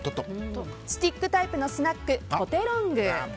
スティックタイプのスナックポテロング。